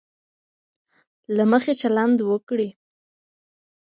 له مخي چلند وکړي.